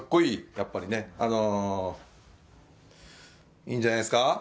やっぱりねあのーいいんじゃないですか？